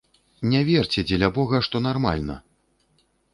Не верце, дзеля бога, што нармальна.